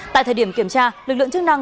tại thời điểm kiểm tra lực lượng chức năng